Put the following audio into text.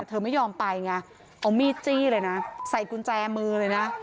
เธอไม่ยอมไปไงเอามีดจี้เลยนะใส่กุญแจมือเลยนะ